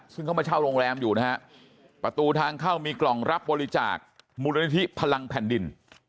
ซึ่งเขามาเช่าโรงแรมอยู่นะฮะประตูทางเข้ามีกล่องรับบริจาคมูลนิธิพลังแผ่นดิน